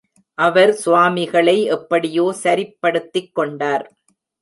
அவர் சுவாமிகளை எப்படியோ சரிப்படுத்திக் கொண்டார்.